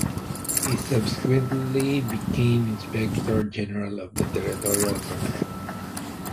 He subsequently became inspector general of the territorial command.